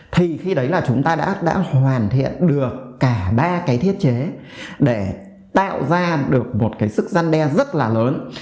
thì khi đấy là chúng ta đã hoàn thiện được cả ba thiết chế để tạo ra được một sức giăn đe rất là lớn